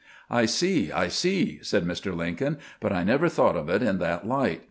" I see, I see," said Mr. Lincoln ;" but I never thought of it in that light.